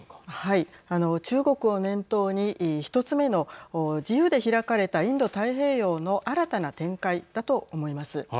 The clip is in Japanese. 中国を念頭に１つ目の自由で開かれたインド太平洋の新たな展開だと思います。